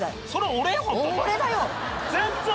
俺だよ。